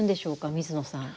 水野さん。